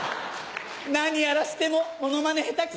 何やらせてもモノマネ下手くそね！